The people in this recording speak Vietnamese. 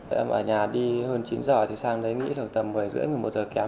em ở nhà đi hơn chín giờ thì sang đấy nghĩ được tầm một mươi h ba mươi một mươi một h kém